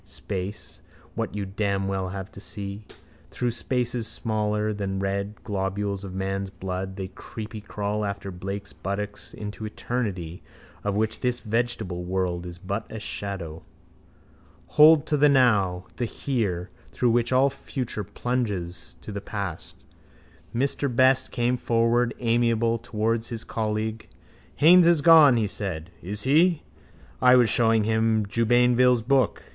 Space: what you damn well have to see. Through spaces smaller than red globules of man's blood they creepycrawl after Blake's buttocks into eternity of which this vegetable world is but a shadow. Hold to the now, the here, through which all future plunges to the past. Mr Best came forward, amiable, towards his colleague. —Haines is gone, he said. —Is he? —I was showing him Jubainville's book.